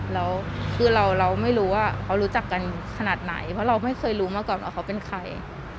แล้วคือเราไม่รู้ว่าเขารู้จักกันขนาดไหนเพราะเราไม่เคยรู้มาก่อนว่าเขาเป็นใคร